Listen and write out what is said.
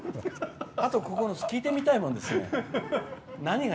あと９つ聞いてみたいもんですね。